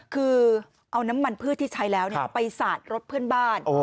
คือเอาน้ำมันพืชที่ใช้แล้วไปสาดรถเพื่อนบ้าน